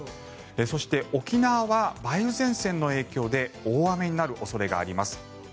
そして、沖縄は梅雨前線の影響で大雨になる恐れがあります。